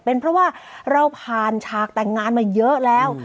เป็นเพราะว่าเราผ่านฉากแต่งงานมาเยอะแล้ว